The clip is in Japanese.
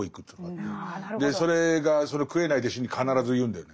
それが食えない弟子に必ず言うんだよね。